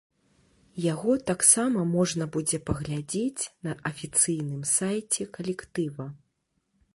Яго таксама можна будзе паглядзець на афіцыйным сайце калектыва.